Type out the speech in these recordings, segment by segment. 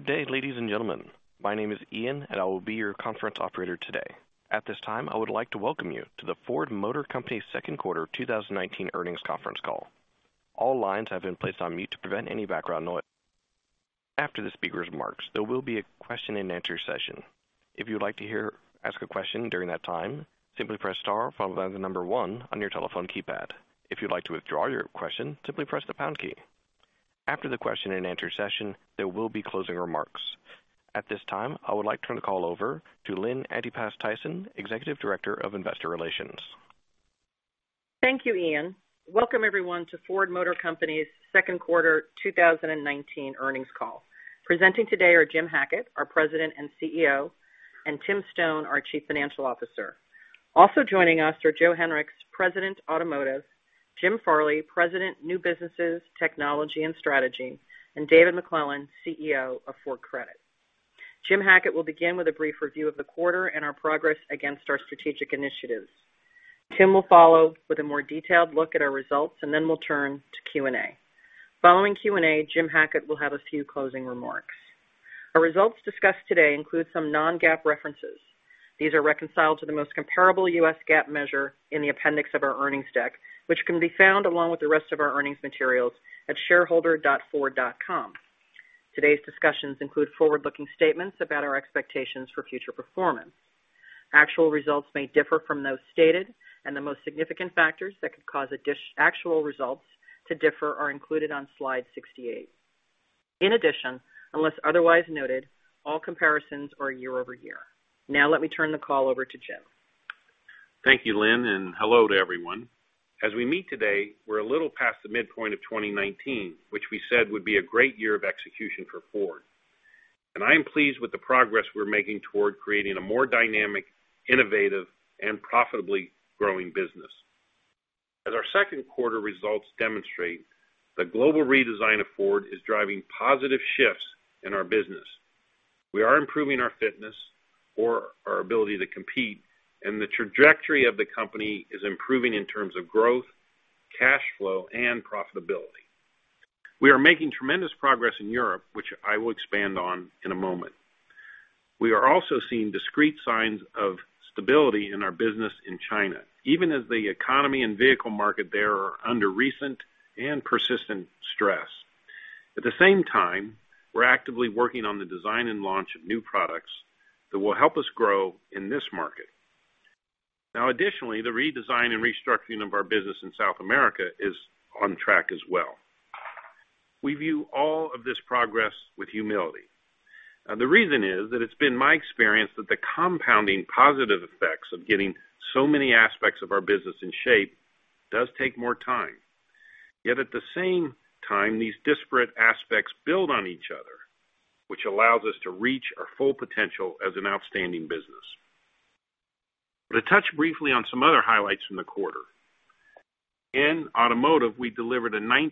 Good day, ladies and gentlemen. My name is Ian, and I will be your conference operator today. At this time, I would like to welcome you to the Ford Motor Company second quarter 2019 earnings conference call. All lines have been placed on mute to prevent any background noise. After the speaker's marks, there will be a question-and-answer session. If you would like to ask a question during that time, simply press star followed by the number 1 on your telephone keypad. If you'd like to withdraw your question, simply press the pound key. After the question-and-answer session, there will be closing remarks. At this time, I would like to turn the call over to Lynn Antipas Tyson, Executive Director of Investor Relations. Thank you, Ian. Welcome, everyone, to Ford Motor Company's second quarter 2019 earnings call. Presenting today are Jim Hackett, our President and CEO, and Tim Stone, our Chief Financial Officer. Also joining us are Joe Hinrichs, President, Automotive, Jim Farley, President, New Businesses, Technology and Strategy, and David McClelland, CEO of Ford Credit. Jim Hackett will begin with a brief review of the quarter and our progress against our strategic initiatives. Tim will follow with a more detailed look at our results, and then we'll turn to Q&A. Following Q&A, Jim Hackett will have a few closing remarks. Our results discussed today include some non-GAAP references. These are reconciled to the most comparable US GAAP measure in the appendix of our earnings deck, which can be found along with the rest of our earnings materials at shareholder.ford.com. Today's discussions include forward-looking statements about our expectations for future performance. Actual results may differ from those stated, and the most significant factors that could cause actual results to differ are included on slide 68. In addition, unless otherwise noted, all comparisons are year-over-year. Now let me turn the call over to Jim. Thank you, Lynn. Hello to everyone. As we meet today, we're a little past the midpoint of 2019, which we said would be a great year of execution for Ford. I am pleased with the progress we're making toward creating a more dynamic, innovative, and profitably growing business. As our second quarter results demonstrate, the global redesign of Ford is driving positive shifts in our business. We are improving our fitness or our ability to compete, and the trajectory of the company is improving in terms of growth, cash flow, and profitability. We are making tremendous progress in Europe, which I will expand on in a moment. We are also seeing discrete signs of stability in our business in China, even as the economy and vehicle market there are under recent and persistent stress. At the same time, we're actively working on the design and launch of new products that will help us grow in this market. Additionally, the redesign and restructuring of our business in South America is on track as well. We view all of this progress with humility. The reason is that it's been my experience that the compounding positive effects of getting so many aspects of our business in shape does take more time. At the same time, these disparate aspects build on each other, which allows us to reach our full potential as an outstanding business. To touch briefly on some other highlights from the quarter. In automotive, we delivered a 19%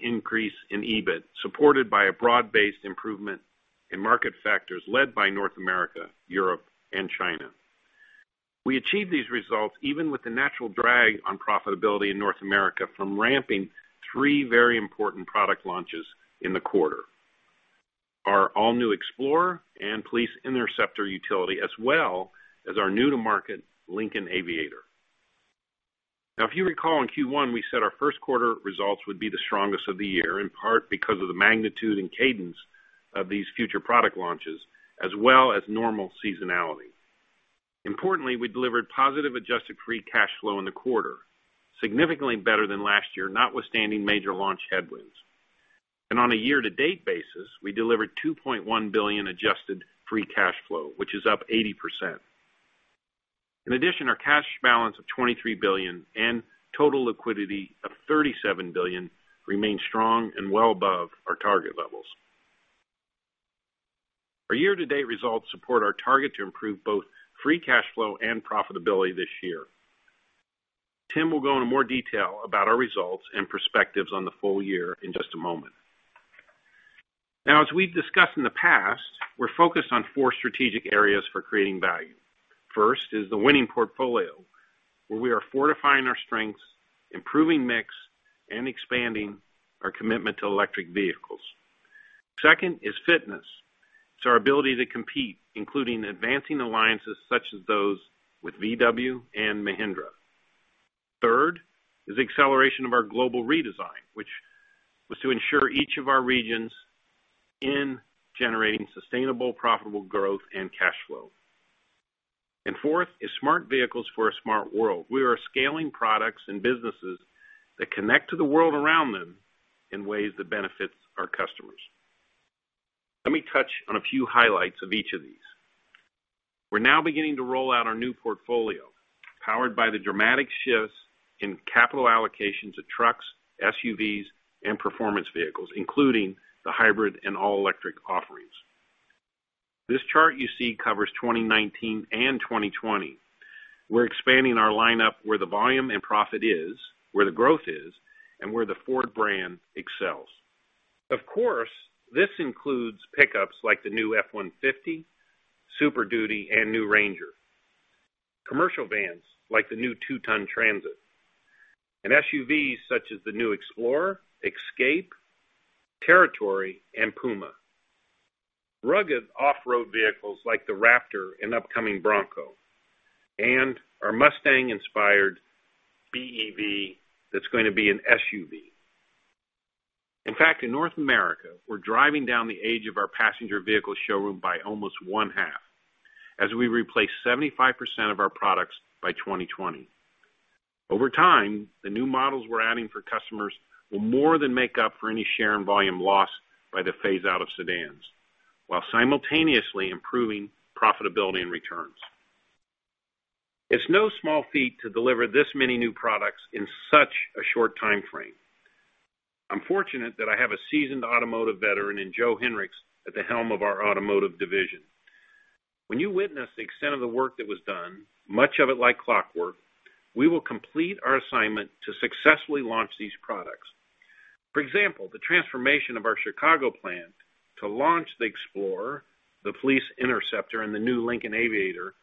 increase in EBIT, supported by a broad-based improvement in market factors led by North America, Europe, and China. We achieved these results even with the natural drag on profitability in North America from ramping three very important product launches in the quarter. Our all-new Explorer and Police Interceptor Utility, as well as our new-to-market Lincoln Aviator. If you recall, in Q1, we said our first quarter results would be the strongest of the year, in part because of the magnitude and cadence of these future product launches as well as normal seasonality. Importantly, we delivered positive adjusted free cash flow in the quarter, significantly better than last year, notwithstanding major launch headwinds. On a year-to-date basis, we delivered $2.1 billion adjusted free cash flow, which is up 80%. In addition, our cash balance of $23 billion and total liquidity of $37 billion remain strong and well above our target levels. Our year-to-date results support our target to improve both free cash flow and profitability this year. Tim will go into more detail about our results and perspectives on the full year in just a moment. As we've discussed in the past, we're focused on four strategic areas for creating value. First is the winning portfolio, where we are fortifying our strengths, improving mix, and expanding our commitment to electric vehicles. Second is fitness. It's our ability to compete, including advancing alliances such as those with VW and Mahindra. Third is acceleration of our global redesign, which was to ensure each of our regions in generating sustainable, profitable growth, and cash flow. Fourth is smart vehicles for a smart world. We are scaling products and businesses that connect to the world around them in ways that benefit our customers. Let me touch on a few highlights of each of these. We're now beginning to roll out our new portfolio, powered by the dramatic shifts in capital allocations of trucks, SUVs, and performance vehicles, including the hybrid and all-electric offerings. This chart you see covers 2019 and 2020. We're expanding our lineup where the volume and profit is, where the growth is, and where the Ford brand excels. Of course, this includes pickups like the new F-150, Super Duty, and new Ranger. Commercial vans like the new 2-ton Transit, and SUVs such as the new Explorer, Escape, Territory, and Puma. Rugged off-road vehicles like the Raptor and upcoming Bronco, and our Mustang-inspired BEV that's going to be an SUV. In fact, in North America, we're driving down the age of our passenger vehicle showroom by almost one half as we replace 75% of our products by 2020. Over time, the new models we're adding for customers will more than make up for any share and volume lost by the phase-out of sedans while simultaneously improving profitability and returns. It's no small feat to deliver this many new products in such a short timeframe. I'm fortunate that I have a seasoned automotive veteran in Joe Hinrichs at the helm of our automotive division. When you witness the extent of the work that was done, much of it like clockwork, we will complete our assignment to successfully launch these products. For example, the transformation of our Chicago plant to launch the Explorer, the Police Interceptor, and the new Lincoln Aviator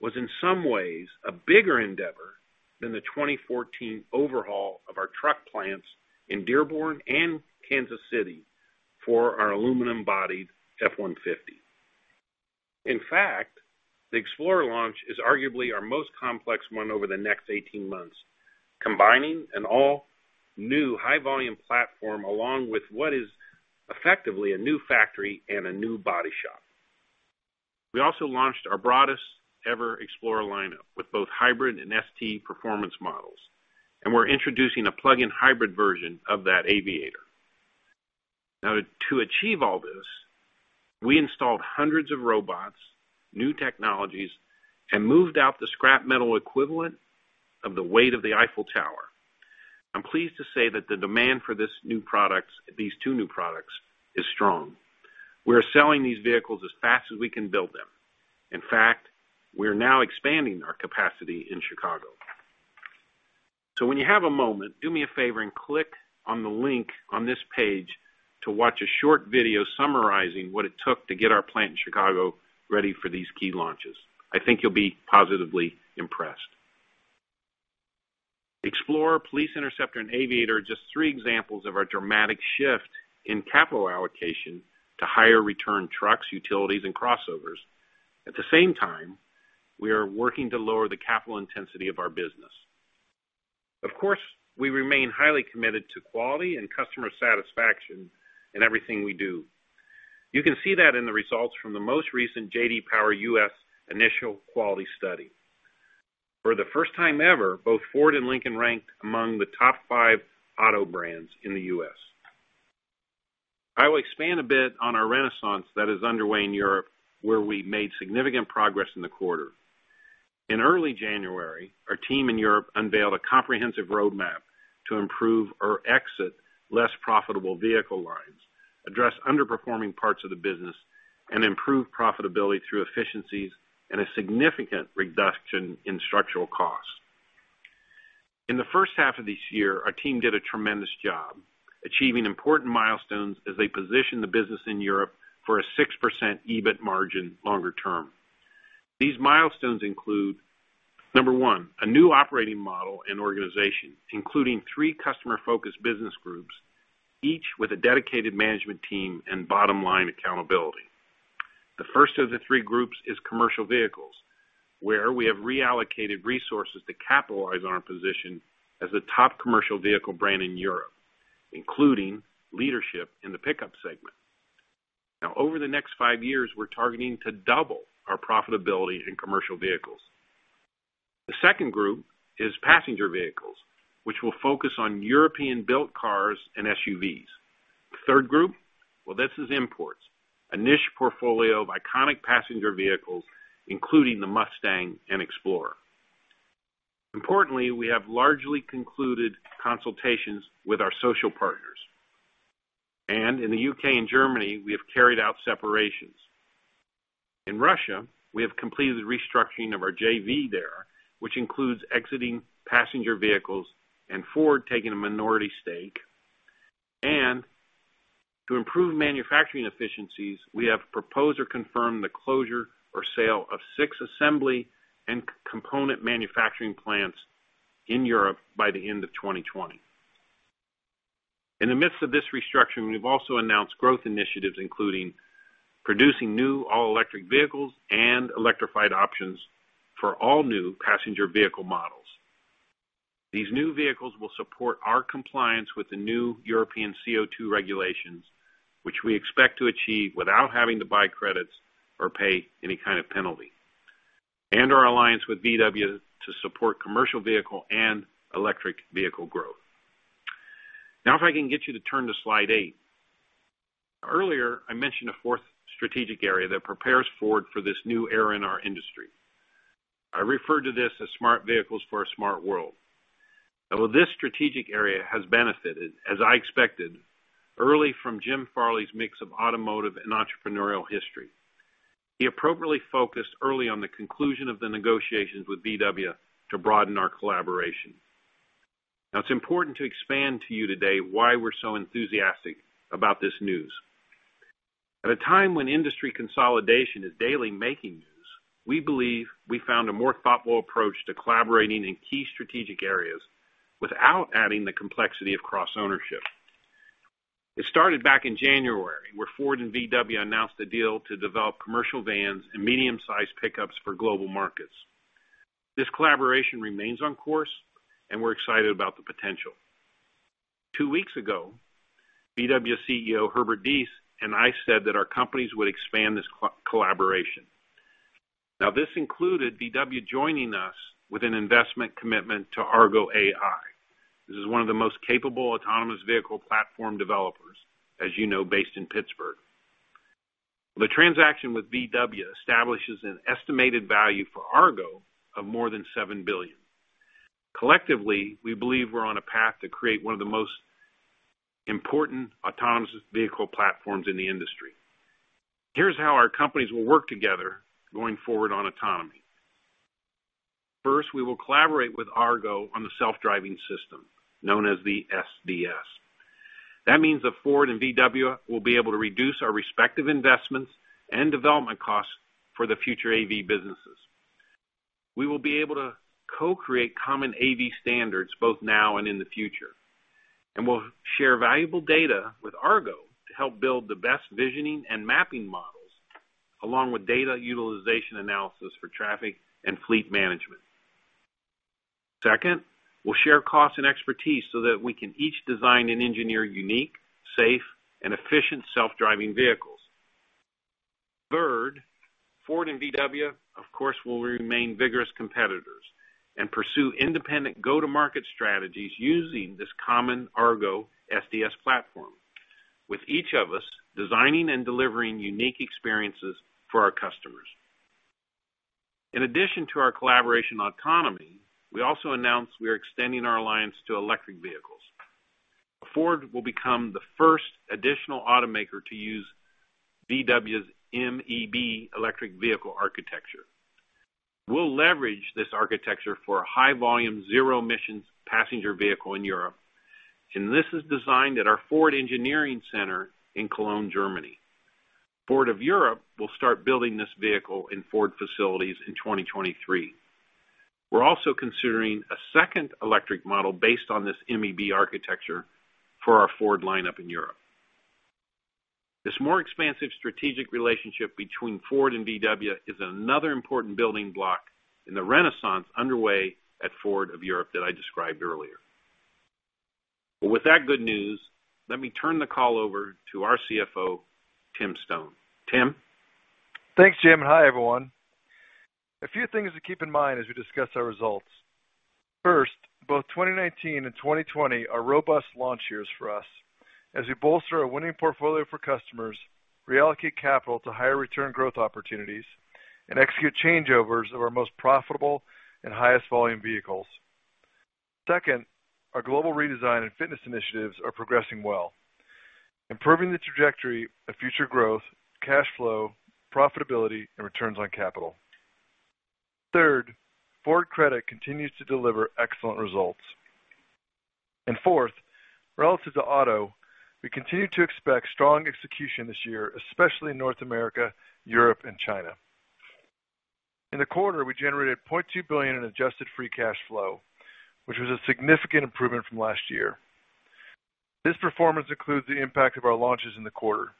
was in some ways a bigger endeavor than the 2014 overhaul of our truck plants in Dearborn and Kansas City for our aluminum-bodied F-150. In fact, the Explorer launch is arguably our most complex one over the next 18 months, combining an all-new high-volume platform along with what is effectively a new factory and a new body shop. We also launched our broadest ever Explorer lineup with both hybrid and ST performance models, and we're introducing a plug-in hybrid version of that Aviator. Now, to achieve all this, we installed hundreds of robots, new technologies, and moved out the scrap metal equivalent of the weight of the Eiffel Tower. I'm pleased to say that the demand for these two new products is strong. We are selling these vehicles as fast as we can build them. In fact, we are now expanding our capacity in Chicago. When you have a moment, do me a favor and click on the link on this page to watch a short video summarizing what it took to get our plant in Chicago ready for these key launches. I think you'll be positively impressed. Explorer, Police Interceptor, and Aviator are just three examples of our dramatic shift in capital allocation to higher return trucks, utilities, and crossovers. At the same time, we are working to lower the capital intensity of our business. Of course, we remain highly committed to quality and customer satisfaction in everything we do. You can see that in the results from the most recent J.D. Power U.S. Initial Quality Study. For the first time ever, both Ford and Lincoln ranked among the top five auto brands in the U.S. I will expand a bit on our renaissance that is underway in Europe, where we made significant progress in the quarter. In early January, our team in Europe unveiled a comprehensive roadmap to improve or exit less profitable vehicle lines, address underperforming parts of the business, and improve profitability through efficiencies and a significant reduction in structural costs. In the first half of this year, our team did a tremendous job achieving important milestones as they position the business in Europe for a 6% EBIT margin longer term. These milestones include, number one, a new operating model and organization, including three customer-focused business groups, each with a dedicated management team and bottom-line accountability. The first of the three groups is commercial vehicles, where we have reallocated resources to capitalize on our position as the top commercial vehicle brand in Europe, including leadership in the pickup segment. Over the next five years, we're targeting to double our profitability in commercial vehicles. The second group is passenger vehicles, which will focus on European-built cars and SUVs. The third group? Well, this is imports, a niche portfolio of iconic passenger vehicles, including the Mustang and Explorer. Importantly, we have largely concluded consultations with our social partners, and in the U.K. and Germany, we have carried out separations. In Russia, we have completed the restructuring of our JV there, which includes exiting passenger vehicles and Ford taking a minority stake. To improve manufacturing efficiencies, we have proposed or confirmed the closure or sale of six assembly and component manufacturing plants in Europe by the end of 2020. In the midst of this restructuring, we've also announced growth initiatives, including producing new all-electric vehicles and electrified options for all new passenger vehicle models. These new vehicles will support our compliance with the new European CO2 regulations, which we expect to achieve without having to buy credits or pay any kind of penalty, and our alliance with VW to support commercial vehicle and electric vehicle growth. If I can get you to turn to slide eight. Earlier, I mentioned a fourth strategic area that prepares Ford for this new era in our industry. I refer to this as smart vehicles for a smart world. This strategic area has benefited, as I expected, early from Jim Farley's mix of automotive and entrepreneurial history. He appropriately focused early on the conclusion of the negotiations with VW to broaden our collaboration. It's important to expand to you today why we're so enthusiastic about this news. At a time when industry consolidation is daily making news, we believe we found a more thoughtful approach to collaborating in key strategic areas without adding the complexity of cross-ownership. It started back in January, where Ford and VW announced a deal to develop commercial vans and medium-sized pickups for global markets. This collaboration remains on course, and we're excited about the potential. Two weeks ago, VW CEO Herbert Diess and I said that our companies would expand this collaboration. This included VW joining us with an investment commitment to Argo AI. This is one of the most capable autonomous vehicle platform developers, as you know, based in Pittsburgh. The transaction with VW establishes an estimated value for Argo of more than $7 billion. Collectively, we believe we're on a path to create one of the most important autonomous vehicle platforms in the industry. Here's how our companies will work together going forward on autonomy. First, we will collaborate with Argo on the self-driving system known as the SDS. That means that Ford and VW will be able to reduce our respective investments and development costs for the future AV businesses. We will be able to co-create common AV standards both now and in the future, and we'll share valuable data with Argo to help build the best visioning and mapping models, along with data utilization analysis for traffic and fleet management. Second, we'll share costs and expertise so that we can each design and engineer unique, safe, and efficient self-driving vehicles. Third, Ford and VW, of course, will remain vigorous competitors and pursue independent go-to-market strategies using this common Argo SDS platform, with each of us designing and delivering unique experiences for our customers. In addition to our collaboration on autonomy, we also announced we are extending our alliance to electric vehicles. Ford will become the first additional automaker to use VW's MEB electric vehicle architecture. We'll leverage this architecture for a high-volume, zero-emissions passenger vehicle in Europe. This is designed at our Ford Engineering Center in Cologne, Germany. Ford of Europe will start building this vehicle in Ford facilities in 2023. We're also considering a second electric model based on this MEB architecture for our Ford lineup in Europe. This more expansive strategic relationship between Ford and VW is another important building block in the renaissance underway at Ford of Europe that I described earlier. With that good news, let me turn the call over to our CFO, Tim Stone. Tim? Thanks, Jim. Hi, everyone. A few things to keep in mind as we discuss our results. First, both 2019 and 2020 are robust launch years for us as we bolster a winning portfolio for customers, reallocate capital to higher return growth opportunities, and execute changeovers of our most profitable and highest volume vehicles. Second, our global redesign and fitness initiatives are progressing well, improving the trajectory of future growth, cash flow, profitability, and returns on capital. Third, Ford Credit continues to deliver excellent results. Fourth, relative to Auto, we continue to expect strong execution this year, especially in North America, Europe, and China. In the quarter, we generated $0.2 billion in adjusted free cash flow, which was a significant improvement from last year. This performance includes the impact of our launches in the quarter.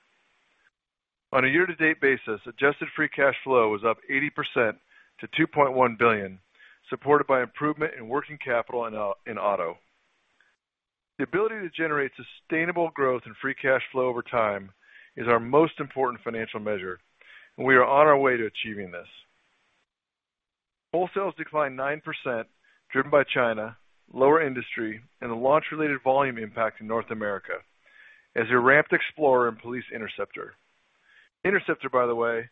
On a year-to-date basis, adjusted free cash flow was up 80% to $2.1 billion, supported by improvement in working capital in Auto. The ability to generate sustainable growth in free cash flow over time is our most important financial measure. We are on our way to achieving this. Wholesales declined 9%, driven by China, lower industry, and a launch-related volume impact in North America as we ramped Explorer and Police Interceptor. Interceptor, by the way,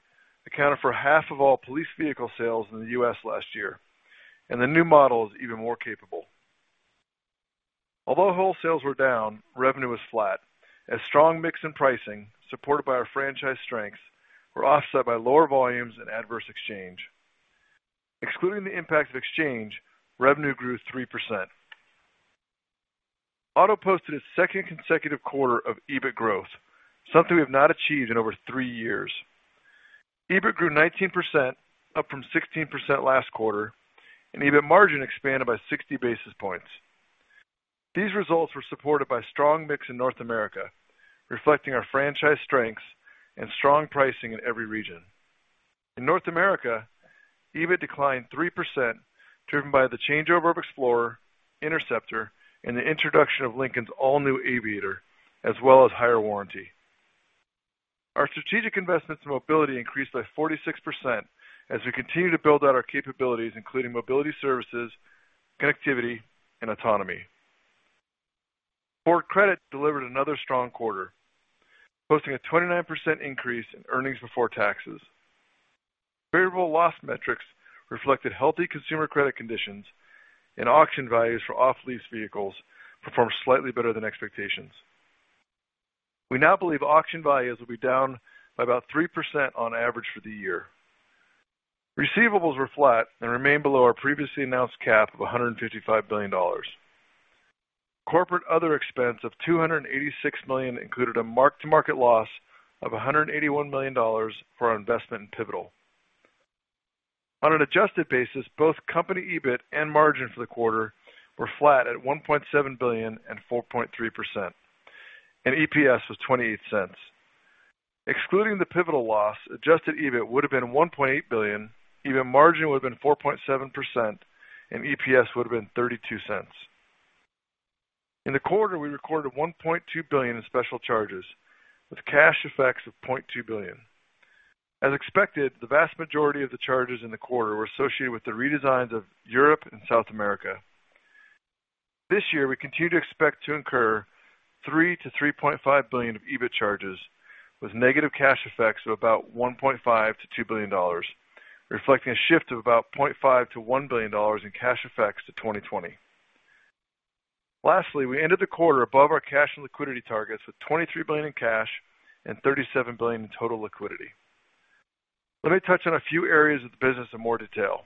accounted for half of all police vehicle sales in the U.S. last year. The new model is even more capable. Although wholesales were down, revenue was flat as strong mix and pricing, supported by our franchise strengths, were offset by lower volumes and adverse exchange. Excluding the impact of exchange, revenue grew 3%. Auto posted its second consecutive quarter of EBIT growth, something we have not achieved in over three years. EBIT grew 19%, up from 16% last quarter, and EBIT margin expanded by 60 basis points. These results were supported by strong mix in North America, reflecting our franchise strengths and strong pricing in every region. In North America, EBIT declined 3%, driven by the changeover of Explorer, Interceptor, and the introduction of Lincoln's all-new Aviator, as well as higher warranty. Our strategic investments in mobility increased by 46% as we continue to build out our capabilities, including mobility services, connectivity, and autonomy. Ford Credit delivered another strong quarter, posting a 29% increase in earnings before taxes. Variable loss metrics reflected healthy consumer credit conditions, and auction values for off-lease vehicles performed slightly better than expectations. We now believe auction values will be down by about 3% on average for the year. Receivables were flat and remain below our previously announced cap of $155 billion. Corporate other expense of $286 million included a mark-to-market loss of $181 million for our investment in Pivotal. On an adjusted basis, both company EBIT and margin for the quarter were flat at $1.7 billion and 4.3%, and EPS was $0.28. Excluding the Pivotal loss, adjusted EBIT would have been $1.8 billion, EBIT margin would have been 4.7%, and EPS would have been $0.32. In the quarter, we recorded $1.2 billion in special charges, with cash effects of $0.2 billion. As expected, the vast majority of the charges in the quarter were associated with the redesigns of Europe and South America. This year, we continue to expect to incur $3 billion-$3.5 billion of EBIT charges, with negative cash effects of about $1.5 billion-$2 billion, reflecting a shift of about $0.5 billion-$1 billion in cash effects to 2020. Lastly, we ended the quarter above our cash and liquidity targets with $23 billion in cash and $37 billion in total liquidity. Let me touch on a few areas of the business in more detail.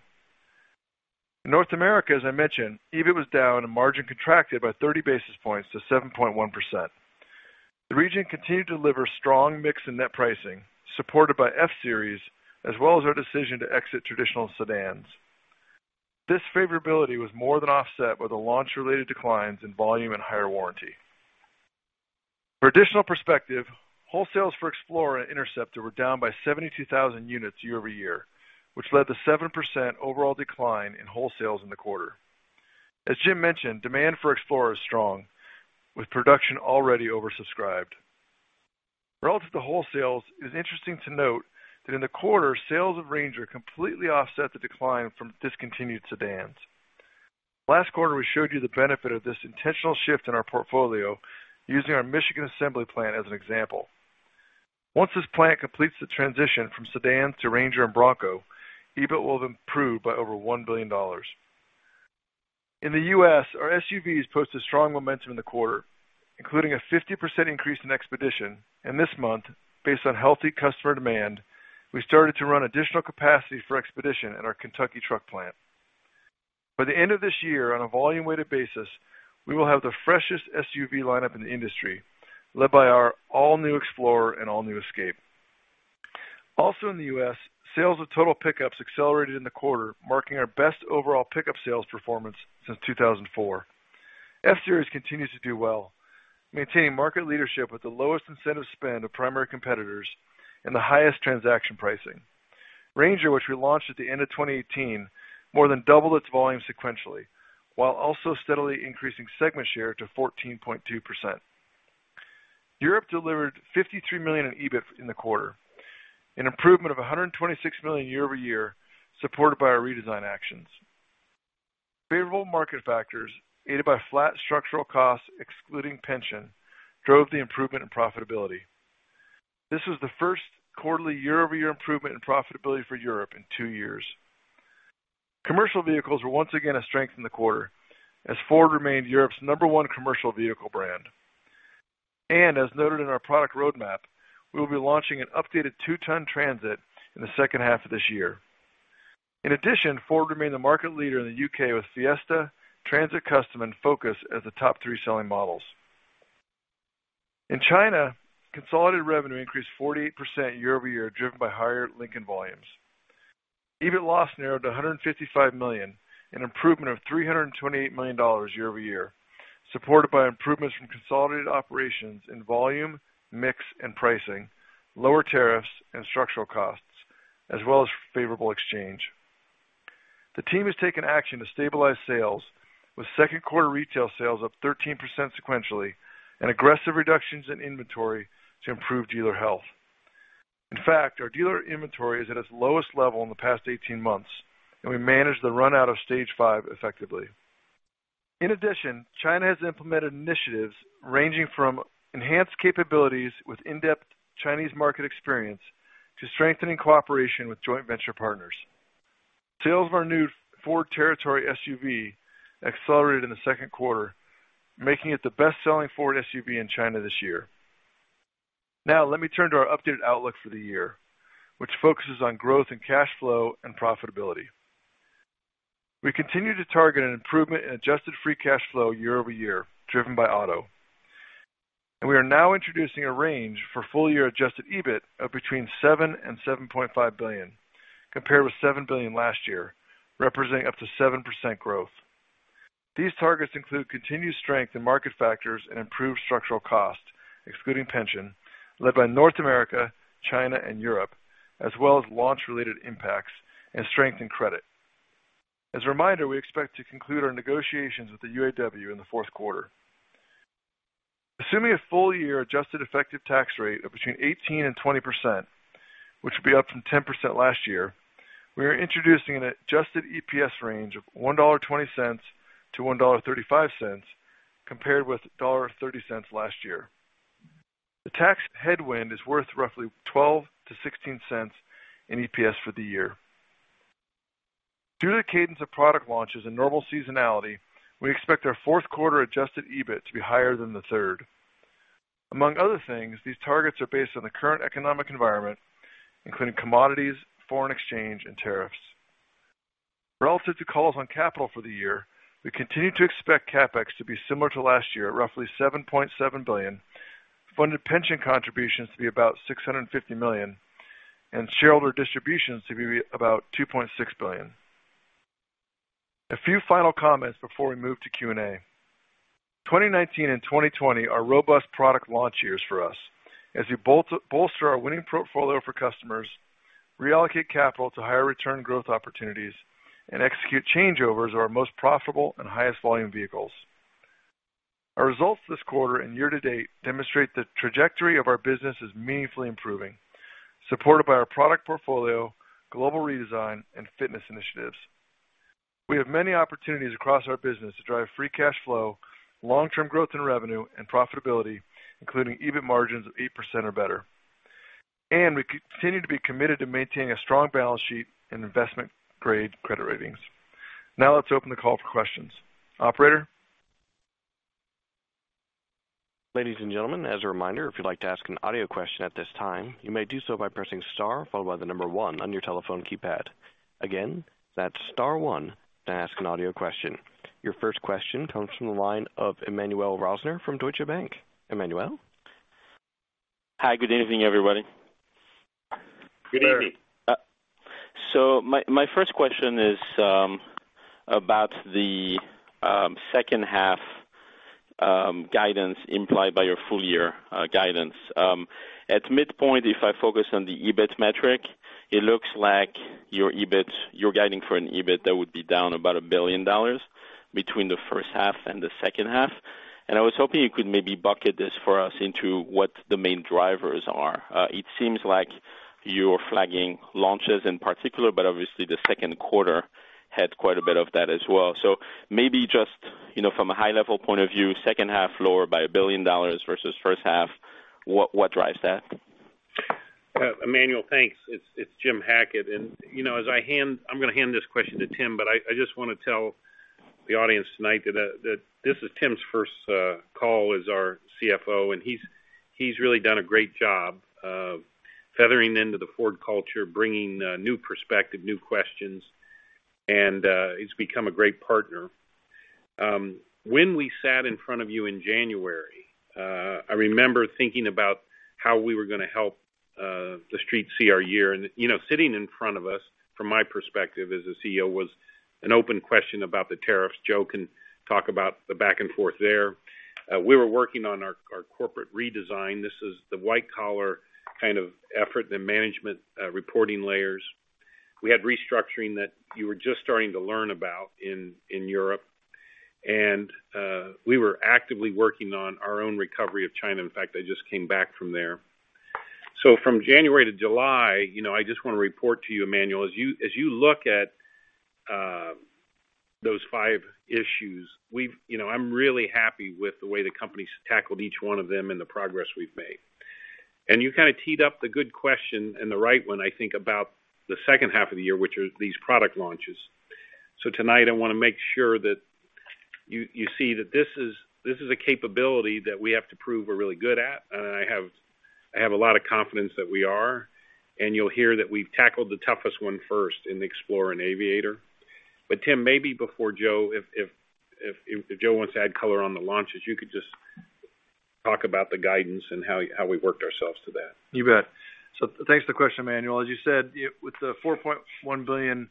In North America, as I mentioned, EBIT was down and margin contracted by 30 basis points to 7.1%. The region continued to deliver strong mix and net pricing, supported by F-Series, as well as our decision to exit traditional sedans. This favorability was more than offset with the launch-related declines in volume and higher warranty. For additional perspective, wholesales for Explorer and Police Interceptor were down by 72,000 units year-over-year, which led to 7% overall decline in wholesales in the quarter. As Jim mentioned, demand for Explorer is strong, with production already oversubscribed. Relative to wholesales, it is interesting to note that in the quarter, sales of Ranger completely offset the decline from discontinued sedans. Last quarter, we showed you the benefit of this intentional shift in our portfolio using our Michigan assembly plant as an example. Once this plant completes the transition from sedans to Ranger and Bronco, EBIT will have improved by over $1 billion. In the U.S., our SUVs posted strong momentum in the quarter, including a 50% increase in Expedition, and this month, based on healthy customer demand, we started to run additional capacity for Expedition at our Kentucky truck plant. By the end of this year, on a volume-weighted basis, we will have the freshest SUV lineup in the industry, led by our all-new Explorer and all-new Escape. Also in the U.S., sales of total pickups accelerated in the quarter, marking our best overall pickup sales performance since 2004. F-Series continues to do well, maintaining market leadership with the lowest incentive spend of primary competitors and the highest transaction pricing. Ranger, which we launched at the end of 2018, more than doubled its volume sequentially, while also steadily increasing segment share to 14.2%. Europe delivered $53 million in EBIT in the quarter, an improvement of $126 million year-over-year, supported by our redesign actions. Favorable market factors, aided by flat structural costs excluding pension, drove the improvement in profitability. This was the first quarterly year-over-year improvement in profitability for Europe in two years. Commercial vehicles were once again a strength in the quarter, as Ford remained Europe's number one commercial vehicle brand. As noted in our product roadmap, we will be launching an updated 2-ton Transit in the second half of this year. In addition, Ford remained the market leader in the U.K. with Fiesta, Transit Custom, and Focus as the top three selling models. In China, consolidated revenue increased 48% year-over-year, driven by higher Lincoln volumes. EBIT loss narrowed to $155 million, an improvement of $328 million year-over-year, supported by improvements from consolidated operations in volume, mix, and pricing, lower tariffs, and structural costs, as well as favorable exchange. The team has taken action to stabilize sales, with second quarter retail sales up 13% sequentially and aggressive reductions in inventory to improve dealer health. In fact, our dealer inventory is at its lowest level in the past 18 months, and we managed the run-out of Stage V effectively. In addition, China has implemented initiatives ranging from enhanced capabilities with in-depth Chinese market experience to strengthening cooperation with joint venture partners. Sales of our new Ford Territory SUV accelerated in the second quarter, making it the best-selling Ford SUV in China this year. Now, let me turn to our updated outlook for the year, which focuses on growth and cash flow and profitability. We continue to target an improvement in adjusted free cash flow year-over-year, driven by auto. We are now introducing a range for full-year adjusted EBIT of between $7 billion and $7.5 billion, compared with $7 billion last year, representing up to 7% growth. These targets include continued strength in market factors and improved structural cost, excluding pension, led by North America, China, and Europe, as well as launch-related impacts and strength in credit. As a reminder, we expect to conclude our negotiations with the UAW in the fourth quarter. Assuming a full-year adjusted effective tax rate of between 18% and 20%, which would be up from 10% last year, we are introducing an adjusted EPS range of $1.20-$1.35, compared with $1.30 last year. The tax headwind is worth roughly $0.12-$0.16 in EPS for the year. Due to the cadence of product launches and normal seasonality, we expect our fourth quarter adjusted EBIT to be higher than the third. Among other things, these targets are based on the current economic environment, including commodities, foreign exchange, and tariffs. Relative to calls on capital for the year, we continue to expect CapEx to be similar to last year at roughly $7.7 billion, funded pension contributions to be about $650 million, and shareholder distributions to be about $2.6 billion. A few final comments before we move to Q&A. 2019 and 2020 are robust product launch years for us, as we bolster our winning portfolio for customers, reallocate capital to higher return growth opportunities, and execute changeovers of our most profitable and highest volume vehicles. Our results this quarter and year to date demonstrate the trajectory of our business is meaningfully improving, supported by our product portfolio, global redesign, and fitness initiatives. We have many opportunities across our business to drive free cash flow, long-term growth in revenue and profitability, including EBIT margins of 8% or better. We continue to be committed to maintaining a strong balance sheet and investment-grade credit ratings. Now let's open the call for questions. Operator? Ladies and gentlemen, as a reminder, if you'd like to ask an audio question at this time, you may do so by pressing star, followed by the number 1 on your telephone keypad. Again, that's star 1 to ask an audio question. Your first question comes from the line of Emmanuel Rosner from Deutsche Bank. Emmanuel? Hi, good evening, everybody. Good evening. My first question is about the second half guidance implied by your full year guidance. At midpoint, if I focus on the EBIT metric, it looks like you're guiding for an EBIT that would be down about $1 billion between the first half and the second half, and I was hoping you could maybe bucket this for us into what the main drivers are. It seems like you're flagging launches in particular, but obviously the second quarter had quite a bit of that as well. Maybe just from a high-level point of view, second half lower by $1 billion versus first half, what drives that? Emmanuel, thanks. It's Jim Hackett. I'm going to hand this question to Tim. I just want to tell the audience tonight that this is Tim's first call as our CFO, and he's really done a great job of feathering into the Ford culture, bringing new perspective, new questions, and he's become a great partner. When we sat in front of you in January, I remember thinking about how we were going to help the Street see our year. Sitting in front of us, from my perspective as a CEO, was an open question about the tariffs. Joe can talk about the back and forth there. We were working on our corporate redesign. This is the white collar kind of effort, the management reporting layers. We had restructuring that you were just starting to learn about in Europe. We were actively working on our own recovery of China. In fact, I just came back from there. From January to July, I just want to report to you, Emmanuel, as you look at those five issues, I'm really happy with the way the company's tackled each one of them and the progress we've made. You kind of teed up the good question and the right one, I think, about the second half of the year, which are these product launches. Tonight I want to make sure that you see that this is a capability that we have to prove we're really good at, and I have a lot of confidence that we are, and you'll hear that we've tackled the toughest one first in the Explorer and Aviator. Tim, maybe before Joe, if Joe wants to add color on the launches, you could just talk about the guidance and how we worked ourselves to that. You bet. Thanks for the question, Emmanuel. As you said, with the $4.1 billion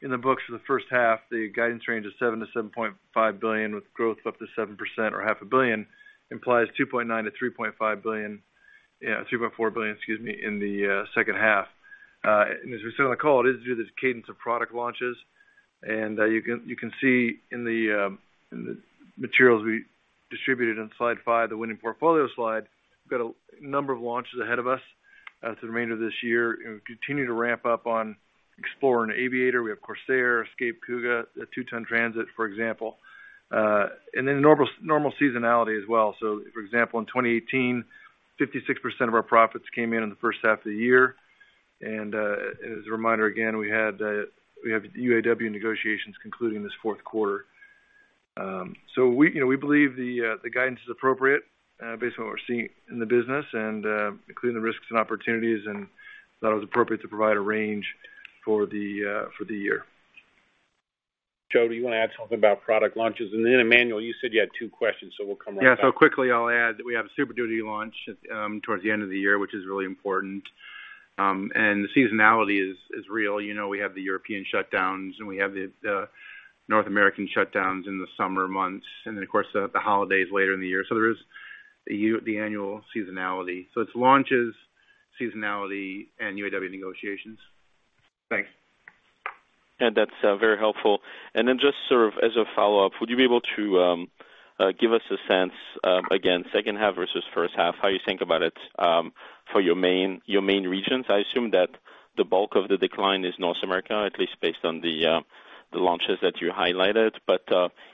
in the books for the first half, the guidance range of $7 billion-$7.5 billion with growth up to 7% or half a billion implies $2.9 billion-$3.4 billion in the second half. As we said on the call, it is due to the cadence of product launches. You can see in the materials we distributed on slide five, the winning portfolio slide, we've got a number of launches ahead of us to the remainder of this year and we continue to ramp up on Explorer and Aviator. We have Corsair, Escape, Kuga, the two-ton Transit, for example and then normal seasonality as well. For example, in 2018, 56% of our profits came in in the first half of the year. As a reminder, again, we have UAW negotiations concluding this fourth quarter. We believe the guidance is appropriate based on what we're seeing in the business and including the risks and opportunities, and thought it was appropriate to provide a range for the year. Joe, do you want to add something about product launches? Emmanuel, you said you had two questions, so we'll come right back. Yeah. Quickly I'll add that we have a Super Duty launch towards the end of the year, which is really important. The seasonality is real. We have the European shutdowns, and we have the North American shutdowns in the summer months, and then of course, the holidays later in the year. There is the annual seasonality. It's launches, seasonality, and UAW negotiations. Thanks. Yeah, that's very helpful. Then just sort of as a follow-up, would you be able to give us a sense, again, second half versus first half, how you think about it for your main regions? I assume that the bulk of the decline is North America, at least based on the launches that you highlighted.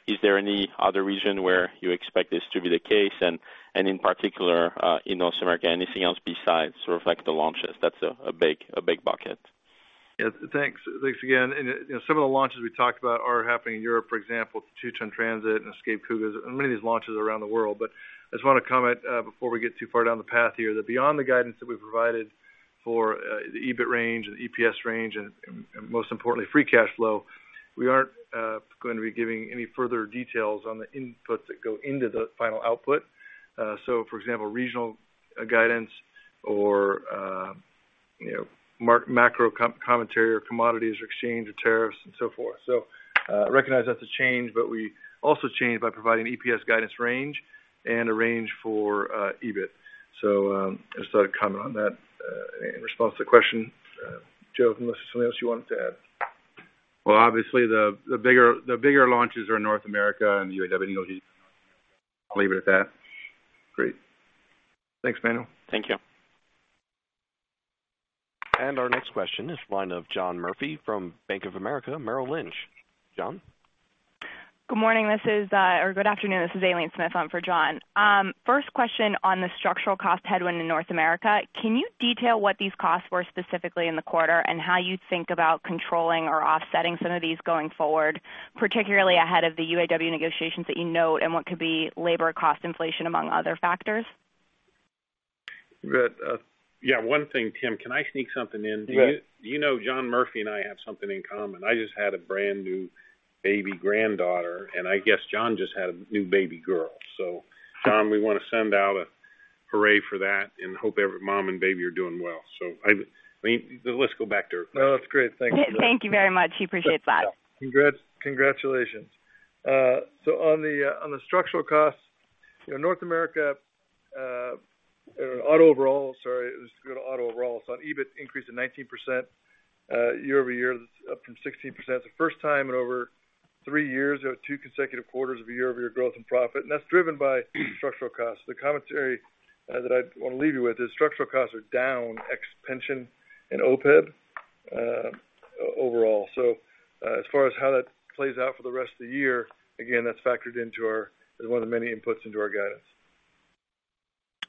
Is there any other region where you expect this to be the case? In particular, in North America, anything else besides sort of like the launches? That's a big bucket. Yeah. Thanks again. Some of the launches we talked about are happening in Europe, for example, the 2-ton Transit and Escape Kuga and many of these launches are around the world. I just want to comment before we get too far down the path here, that beyond the guidance that we've provided for the EBIT range and EPS range and most importantly, free cash flow, we aren't going to be giving any further details on the inputs that go into the final output. For example, regional guidance or macro commentary or commodities or exchange or tariffs and so forth. I recognize that's a change, but we also change by providing an EPS guidance range and a range for EBIT. Just thought I'd comment on that in response to the question. Joe, unless there's something else you wanted to add. Well, obviously the bigger launches are in North America and the UAW negotiations in North America. I'll leave it at that. Great. Thanks, Emmanuel. Thank you. Our next question is the line of John Murphy from Bank of America Merrill Lynch. John? Good morning or good afternoon. This is Aileen Smith. I'm for John. First question on the structural cost headwind in North America. Can you detail what these costs were specifically in the quarter and how you think about controlling or offsetting some of these going forward, particularly ahead of the UAW negotiations that you note and what could be labor cost inflation among other factors? Good. Yeah, one thing, Tim, can I sneak something in? Go ahead. Do you know John Murphy and I have something in common? I just had a brand-new baby granddaughter, and I guess John just had a new baby girl. John, we want to send out a hooray for that and hope every mom and baby are doing well. Let's go back to her question. No, that's great. Thanks. Thank you very much. He appreciates that. Yeah. Congrats. Congratulations. On the structural costs, North America, auto overall, sorry, let's go to auto overall. On EBIT increase of 19% year-over-year, that's up from 16%. It's the first time in over three years we have two consecutive quarters of year-over-year growth and profit, and that's driven by structural costs. The commentary that I want to leave you with is structural costs are down ex pension and OPEB overall. As far as how that plays out for the rest of the year, again, that's factored into our, as one of the many inputs into our guidance.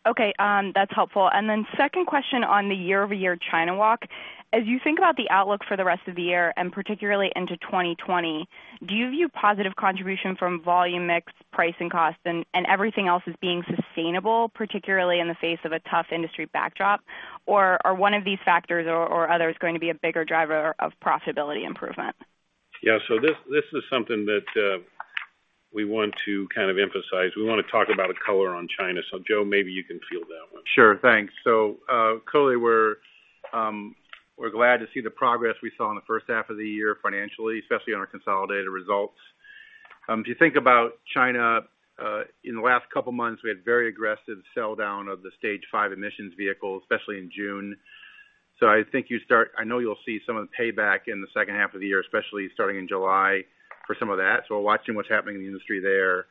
Okay, that's helpful. Second question on the year-over-year China walk. As you think about the outlook for the rest of the year and particularly into 2020, do you view positive contribution from volume mix, pricing costs and everything else as being sustainable, particularly in the face of a tough industry backdrop? Are one of these factors or others going to be a bigger driver of profitability improvement? Yeah. This is something that we want to kind of emphasize. We want to talk about a color on China. Joe, maybe you can field that one. Sure. Thanks. Clearly, we're glad to see the progress we saw in the first half of the year financially, especially on our consolidated results. If you think about China, in the last couple of months, we had very aggressive sell down of the Stage V emissions vehicles, especially in June. I think you start, I know you'll see some of the payback in the second half of the year, especially starting in July for some of that. We're watching what's happening in the industry there.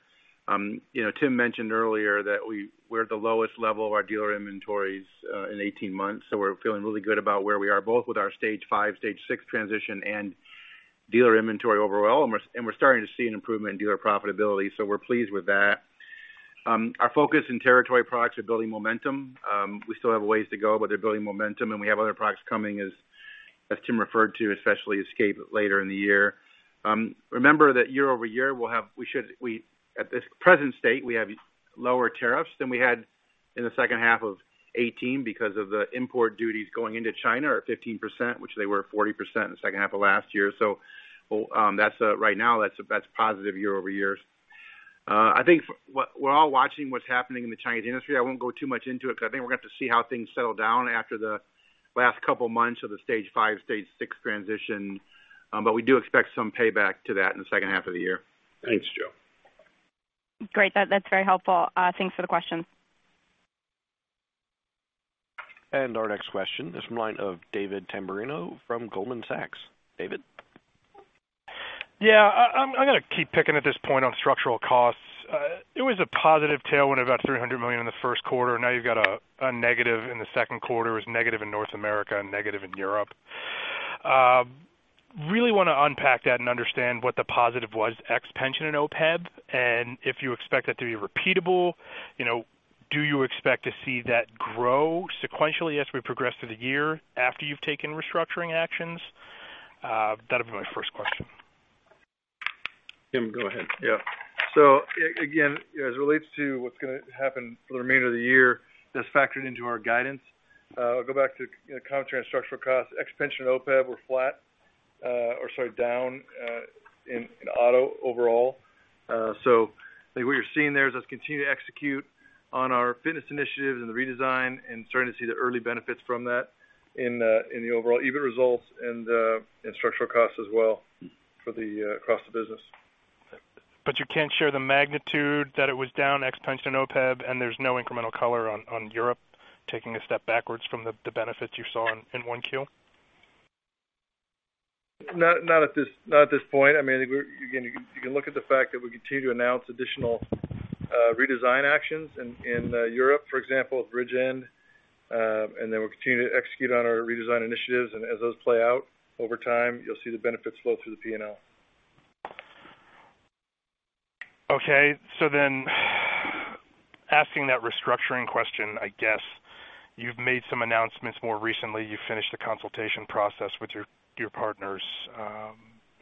Tim mentioned earlier that we're at the lowest level of our dealer inventories in 18 months, so we're feeling really good about where we are both with our Stage V, Stage VI transition and dealer inventory overall, and we're starting to see an improvement in dealer profitability. We're pleased with that. Our focus in Territory products are building momentum. We still have a ways to go, but they're building momentum, and we have other products coming as Tim referred to, especially Escape later in the year. Remember that year-over-year, at this present state, we have lower tariffs than we had in the second half of 2018 because of the import duties going into China are 15%, which they were 40% in the second half of last year. Right now that's positive year-over-year. I think we're all watching what's happening in the Chinese industry. I won't go too much into it because I think we're going to have to see how things settle down after the last couple of months of the Stage V, Stage VI transition. We do expect some payback to that in the second half of the year. Thanks, Joe. Great. That's very helpful. Thanks for the question. Our next question is from line of David Tamberrino from Goldman Sachs. David? Yeah. I'm going to keep picking at this point on structural costs. It was a positive tailwind of about $300 million in the first quarter, and now you've got a negative in the second quarter. It was negative in North America and negative in Europe. Really want to unpack that and understand what the positive was, ex pension and OPEB, and if you expect that to be repeatable. Do you expect to see that grow sequentially as we progress through the year after you've taken restructuring actions? That'll be my first question. Tim, go ahead. Again, as it relates to what's going to happen for the remainder of the year, that's factored into our guidance. I'll go back to commentary on structural costs. Ex pension and OPEB, we're flat, or sorry, down in auto overall. I think what you're seeing there is us continue to execute on our fitness initiatives and the redesign and starting to see the early benefits from that in the overall EBIT results and structural costs as well across the business. You can't share the magnitude that it was down ex pension, OPEB, and there's no incremental color on Europe taking a step backwards from the benefits you saw in 1Q? Not at this point. I mean, you can look at the fact that we continue to announce additional redesign actions in Europe, for example, with Bridgend, and then we're continuing to execute on our redesign initiatives. As those play out over time, you'll see the benefits flow through the P&L. Okay. Asking that restructuring question, I guess you've made some announcements more recently. You finished the consultation process with your partners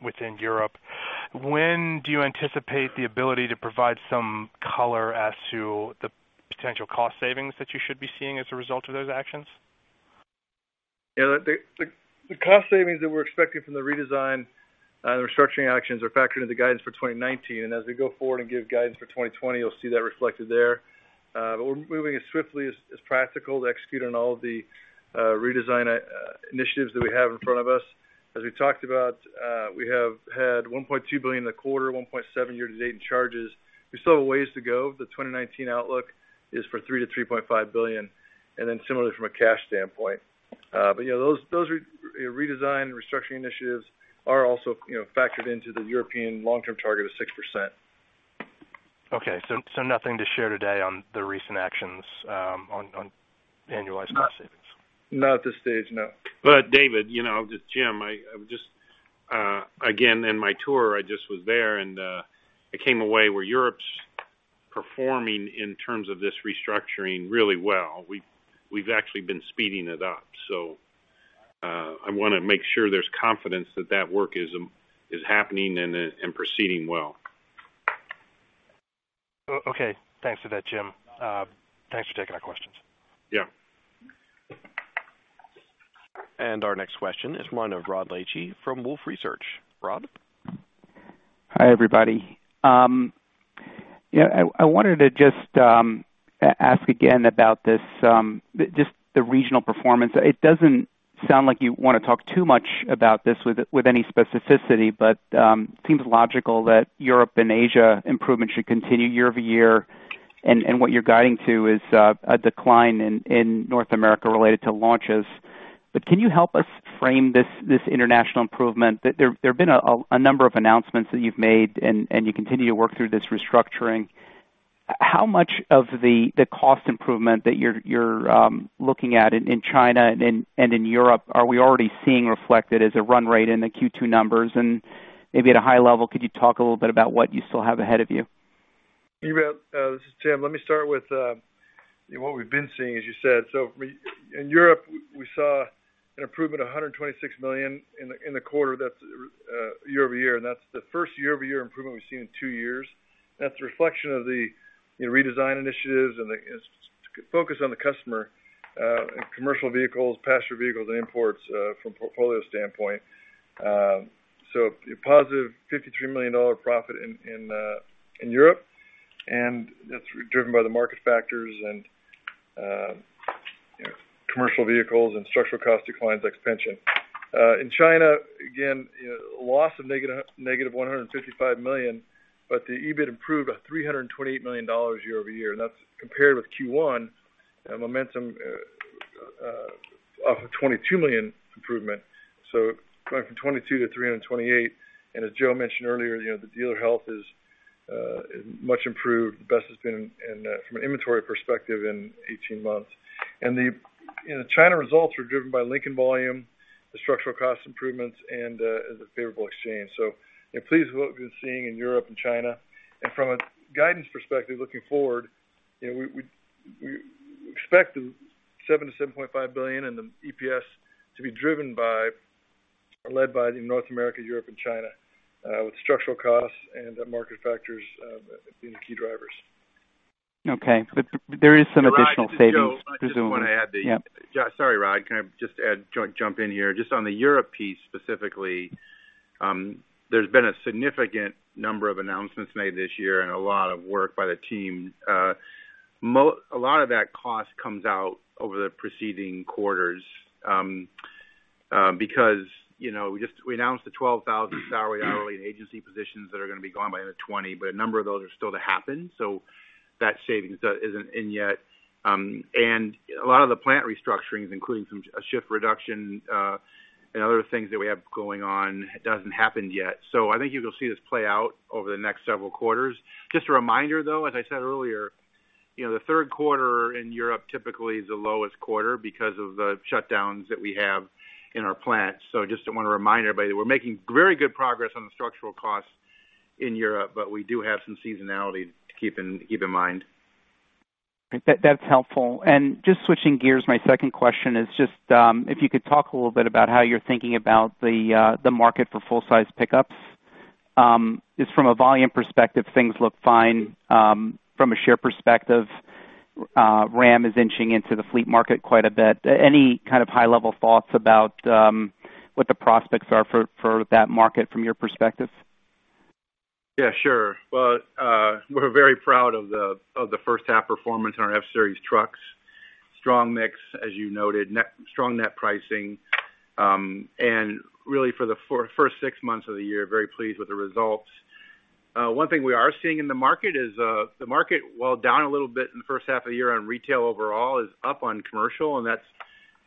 within Europe. When do you anticipate the ability to provide some color as to the potential cost savings that you should be seeing as a result of those actions? Yeah, the cost savings that we're expecting from the redesign and the restructuring actions are factored into the guidance for 2019. As we go forward and give guidance for 2020, you'll see that reflected there. We're moving as swiftly as practical to execute on all of the redesign initiatives that we have in front of us. As we talked about, we have had $1.2 billion in the quarter, $1.7 billion year-to-date in charges. We still have ways to go. The 2019 outlook is for $3 billion-$3.5 billion, then similarly from a cash standpoint. Those redesign restructuring initiatives are also factored into the European long-term target of 6%. Okay, nothing to share today on the recent actions on annualized cost savings. Not at this stage, no. David, this is Jim. Again, in my tour, I just was there, and I came away where Europe's performing in terms of this restructuring really well. We've actually been speeding it up. I want to make sure there's confidence that that work is happening and proceeding well. Okay. Thanks for that, Jim. Thanks for taking our questions. Yeah. Our next question is one of Rod Lache from Wolfe Research. Rod? Hi, everybody. I wanted to just ask again about just the regional performance. It doesn't sound like you want to talk too much about this with any specificity, but it seems logical that Europe and Asia improvement should continue year-over-year. What you're guiding to is a decline in North America related to launches. Can you help us frame this international improvement? There have been a number of announcements that you've made, and you continue to work through this restructuring. How much of the cost improvement that you're looking at in China and in Europe are we already seeing reflected as a run rate in the Q2 numbers? Maybe at a high level, could you talk a little bit about what you still have ahead of you? This is Jim. Let me start with what we've been seeing, as you said. In Europe, we saw an improvement of $126 million in the quarter. That's year-over-year, and that's the first year-over-year improvement we've seen in two years. That's a reflection of the redesign initiatives and the focus on the customer in commercial vehicles, passenger vehicles, and imports from a portfolio standpoint. A positive $53 million profit in Europe, and that's driven by the market factors and commercial vehicles and structural cost declines, ex pension. In China, again, a loss of negative $155 million. The EBIT improved by $328 million year-over-year. That's compared with Q1 momentum off of $22 million improvement. Going from 22 to 328. As Joe mentioned earlier, the dealer health is much improved. The best it's been from an inventory perspective in 18 months. The China results are driven by Lincoln volume, the structural cost improvements, and the favorable exchange. Pleased with what we've been seeing in Europe and China. From a guidance perspective, looking forward, we expect the $7 billion-$7.5 billion in the EPS to be driven by or led by North America, Europe, and China, with structural costs and market factors being the key drivers. Okay. There is some additional savings, presumably. Yeah. Sorry, Rod. Can I just jump in here? Just on the Europe piece specifically, there's been a significant number of announcements made this year and a lot of work by the team. A lot of that cost comes out over the preceding quarters, because we announced the 12,000 salary, hourly, and agency positions that are going to be gone by the end of 2020, but a number of those are still to happen. That savings isn't in yet. A lot of the plant restructurings, including a shift reduction and other things that we have going on, doesn't happen yet. I think you'll see this play out over the next several quarters. Just a reminder, though, as I said earlier, the third quarter in Europe typically is the lowest quarter because of the shutdowns that we have in our plants. Just want to remind everybody that we're making very good progress on the structural costs in Europe, but we do have some seasonality to keep in mind. That's helpful. Just switching gears, my second question is just if you could talk a little bit about how you're thinking about the market for full-size pickups. Just from a volume perspective, things look fine. From a share perspective, Ram is inching into the fleet market quite a bit. Any kind of high-level thoughts about what the prospects are for that market from your perspective? Yeah, sure. Well, we're very proud of the first half performance in our F-Series trucks. Strong mix, as you noted, strong net pricing, really for the first six months of the year, very pleased with the results. One thing we are seeing in the market is the market, while down a little bit in the first half of the year on retail overall, is up on commercial, that's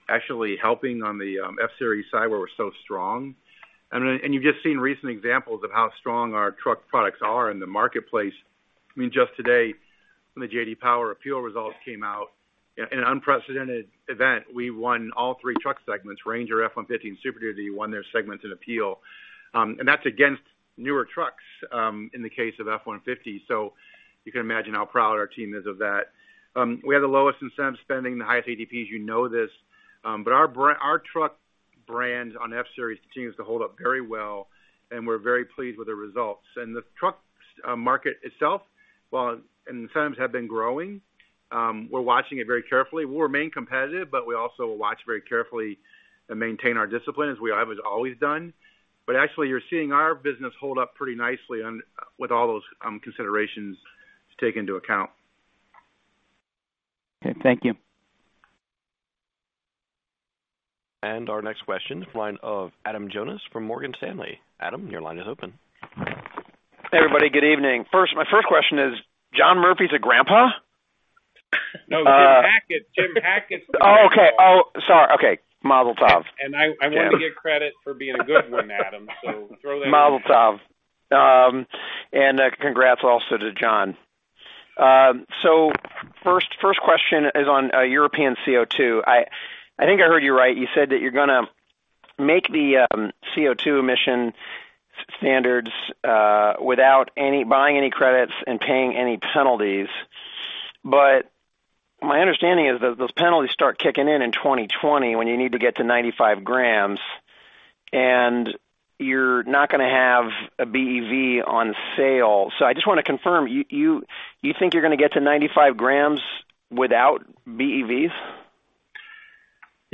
actually helping on the F-Series side, where we're so strong. You've just seen recent examples of how strong our truck products are in the marketplace. I mean, just today When the J.D. Power APEAL results came out, in an unprecedented event, we won all three truck segments, Ranger, F-150, and Super Duty won their segments in appeal. That's against newer trucks, in the case of F-150. You can imagine how proud our team is of that. We have the lowest incentive spending, the highest ATPs, you know this. Our truck brands on F-Series continues to hold up very well, and we're very pleased with the results. The truck market itself, while incentives have been growing, we're watching it very carefully. We'll remain competitive, but we also will watch very carefully and maintain our discipline as we have always done. Actually, you're seeing our business hold up pretty nicely with all those considerations taken into account. Okay. Thank you. Our next question, line of Adam Jonas from Morgan Stanley. Adam, your line is open. Hey, everybody. Good evening. My first question is, John Murphy's a grandpa? No, Jim Hackett. Jim Hackett's a grandpa. Oh, okay. Oh, sorry. Okay. Mazel tov. I want to get credit for being a good one, Adam, so throw that in there. Mazel tov. Congrats also to John. First question is on European CO2. I think I heard you right, you said that you're going to make the CO2 emission standards without buying any credits and paying any penalties. My understanding is that those penalties start kicking in in 2020 when you need to get to 95 grams, and you're not going to have a BEV on sale. I just want to confirm, you think you're going to get to 95 grams without BEVs?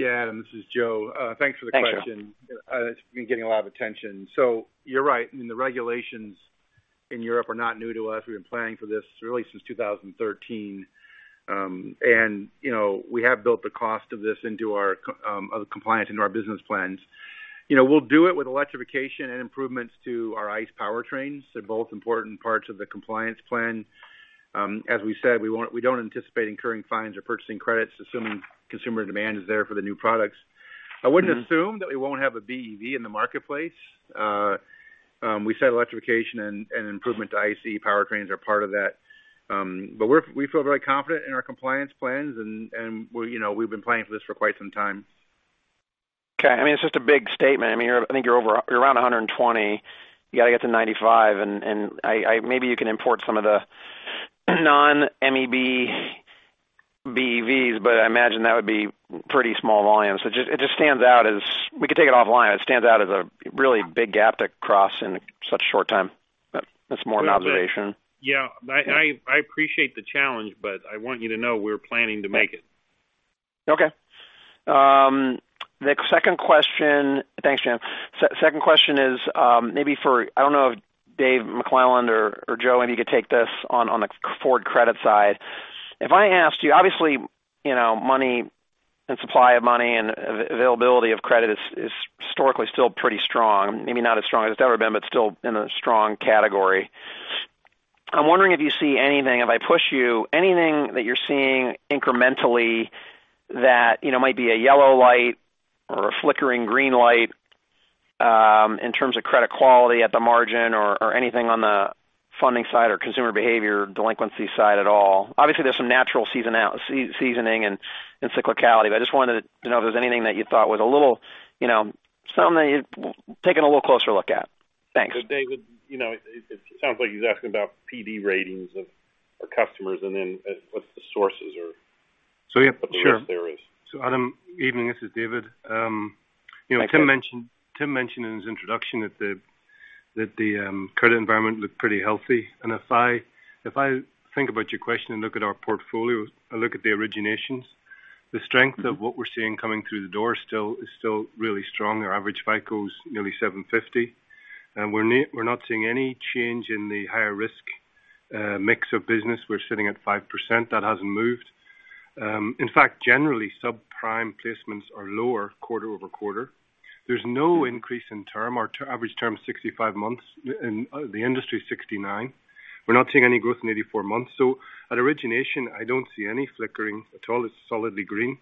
Yeah, Adam. This is Joe. Thanks for the question. Thanks, Joe. It's been getting a lot of attention. You're right, the regulations in Europe are not new to us. We've been planning for this really since 2013. We have built the cost of this compliance into our business plans. We'll do it with electrification and improvements to our ICE powertrains. They're both important parts of the compliance plan. As we said, we don't anticipate incurring fines or purchasing credits, assuming consumer demand is there for the new products. I wouldn't assume that we won't have a BEV in the marketplace. We said electrification and improvement to ICE powertrains are part of that. We feel very confident in our compliance plans, and we've been planning for this for quite some time. Okay. It's just a big statement. I think you're around 120. You got to get to 95. Maybe you can import some of the non-MEB BEVs. I imagine that would be pretty small volumes. We could take it offline. It stands out as a really big gap to cross in such a short time. That's more an observation. Yeah. I appreciate the challenge, but I want you to know we're planning to make it. Okay. The second question. Thanks, Jim. Second question is maybe for, I don't know if David McClelland or Joe, any of you could take this on the Ford Credit side. If I asked you, obviously, money and supply of money and availability of credit is historically still pretty strong. Maybe not as strong as it's ever been, but still in a strong category. I'm wondering if you see anything, if I push you, anything that you're seeing incrementally that might be a yellow light or a flickering green light in terms of credit quality at the margin or anything on the funding side or consumer behavior delinquency side at all. Obviously, there's some natural seasoning and cyclicality, but I just wanted to know if there's anything that you thought was something that you'd taken a little closer look at. Thanks. David, it sounds like he's asking about PD ratings of our customers and then what the sources. Yeah. Sure. what the risk there is. Adam, evening. This is David. Hi, David. Tim mentioned in his introduction that the credit environment looked pretty healthy. If I think about your question and look at our portfolios, I look at the originations, the strength of what we're seeing coming through the door is still really strong. Our average FICO is nearly 750. We're not seeing any change in the higher risk mix of business. We're sitting at 5%. That hasn't moved. In fact, generally, subprime placements are lower quarter-over-quarter. There's no increase in term. Our average term is 65 months. In the industry, it's 69. We're not seeing any growth in 84 months. At origination, I don't see any flickering at all. It's solidly green.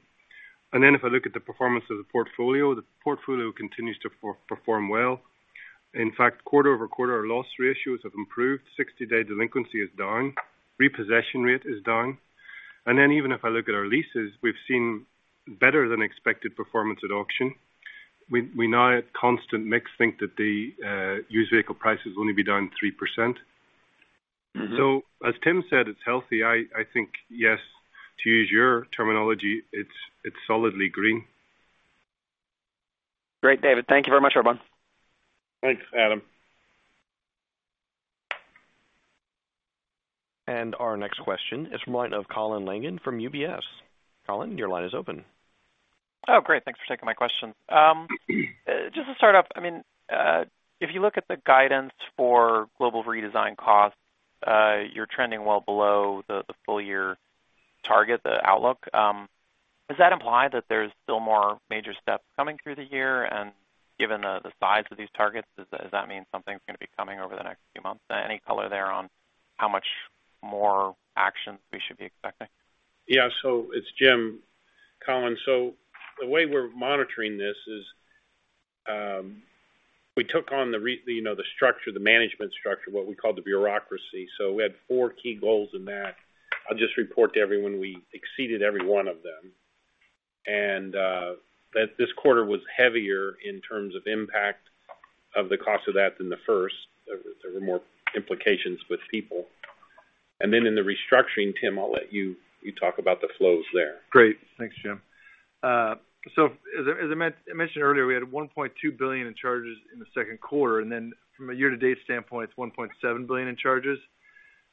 If I look at the performance of the portfolio, the portfolio continues to perform well. In fact, quarter-over-quarter, our loss ratios have improved. 60-day delinquency is down. Repossession rate is down. Even if I look at our leases, we've seen better than expected performance at auction. We now at constant mix think that the used vehicle prices will only be down 3%. As Tim said, it's healthy. I think, yes, to use your terminology, it's solidly green. Great. David, thank you very much, everyone. Thanks, Adam. Our next question is from the line of Colin Langan from UBS. Colin, your line is open. Oh, great. Thanks for taking my question. Just to start off, if you look at the guidance for global redesign costs, you're trending well below the full-year target, the outlook. Does that imply that there's still more major steps coming through the year? Given the size of these targets, does that mean something's going to be coming over the next few months? Any color there on how much more action we should be expecting? Yeah. It's Jim. Colin, the way we're monitoring this is We took on the management structure, what we call the bureaucracy. We had four key goals in that. I'll just report to everyone, we exceeded every one of them. This quarter was heavier in terms of impact of the cost of that than the first. There were more implications with people. In the restructuring, Tim, I'll let you talk about the flows there. Great. Thanks, Jim. As I mentioned earlier, we had $1.2 billion in charges in the second quarter, from a year-to-date standpoint, it's $1.7 billion in charges.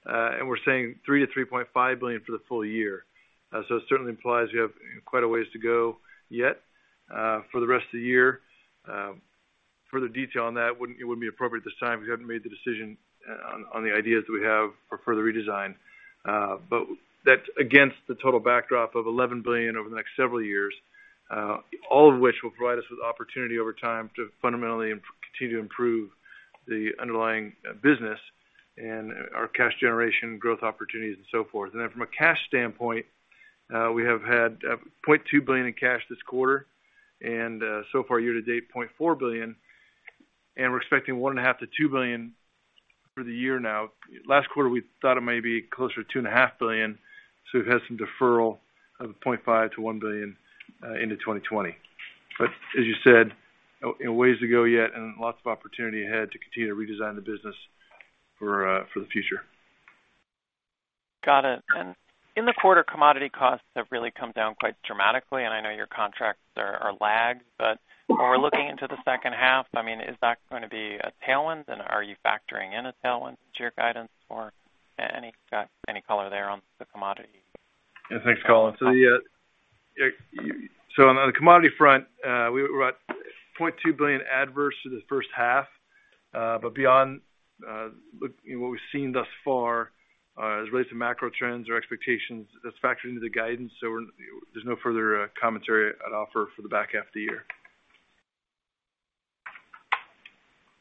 We're saying $3 to $3.5 billion for the full year. It certainly implies we have quite a ways to go yet for the rest of the year. Further detail on that it wouldn't be appropriate at this time, because we haven't made the decision on the ideas that we have for further redesign. That's against the total backdrop of $11 billion over the next several years. All of which will provide us with opportunity over time to fundamentally continue to improve the underlying business and our cash generation growth opportunities and so forth. Then from a cash standpoint, we have had $0.2 billion in cash this quarter, and so far year-to-date, $0.4 billion, and we're expecting $1.5 billion-$2 billion for the year now. Last quarter, we thought it may be closer to $2.5 billion, so we've had some deferral of $0.5 billion-$1 billion into 2020. As you said, ways to go yet and lots of opportunity ahead to continue to redesign the business for the future. Got it. In the quarter, commodity costs have really come down quite dramatically, and I know your contracts are lagged. When we're looking into the second half, is that going to be a tailwind, and are you factoring in a tailwind to your guidance for any color there on the commodity? Yeah. Thanks, Colin. On the commodity front, we were at $0.2 billion adverse to the first half. Beyond what we've seen thus far as it relates to macro trends or expectations, that's factored into the guidance. There's no further commentary I'd offer for the back half of the year.